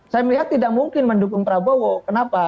saya melihat tidak mungkin mendukung prabowo kenapa